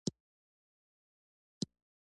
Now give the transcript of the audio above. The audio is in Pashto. ژورې سرچینې د افغانستان د ځایي اقتصادونو بنسټ دی.